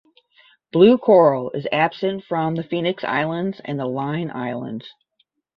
Blue coral is absent from the Phoenix Islands and the Line Islands.